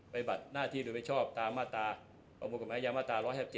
บัดหน้าที่โดยไม่ชอบตามมาตราประมวลกฎหมายยามาตรา๑๕๗